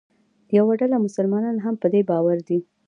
یوه ډله مسلمانان هم په دې باور دي.